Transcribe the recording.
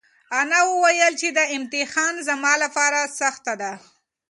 انا وویل چې دا امتحان زما لپاره سخته ده.